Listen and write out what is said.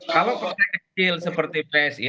kalau partai kecil seperti psi